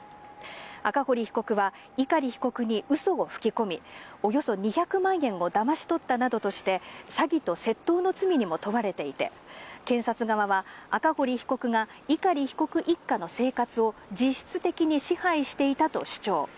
赤堀被告は、碇被告にうそを吹き込み、およそ２００万円をだまし取ったなどとして、詐欺と窃盗の罪にも問われていて、検察側は、赤堀被告が碇被告一家の生活を実質的に支配していたと主張。